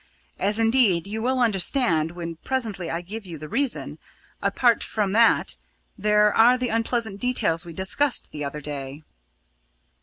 as indeed you will understand when presently I give you the reason. Apart from that, there are the unpleasant details we discussed the other day."